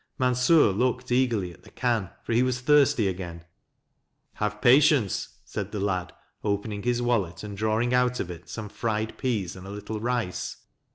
Mansur looked eagerly at the can, for he was thirsty again. " Have patience," said the lad, opening his wallet, and drawing out of it some fried peas and a little rice.